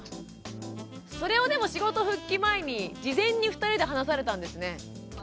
それをでも仕事復帰前に事前に２人で話されたんですね。